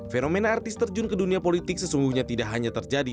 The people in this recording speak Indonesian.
fenomena artis terjun ke dunia politik sesungguhnya tidak hanya terjadi